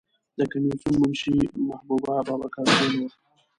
د کمیسیون منشی محبوبه بابکر خیل وه.